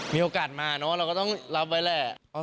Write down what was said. มีโอกาสมาเนอะเราก็ต้องรับไว้แหละ